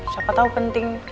siapa tahu penting